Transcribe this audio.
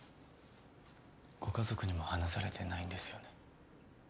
ご家族にも話されてないんですよね？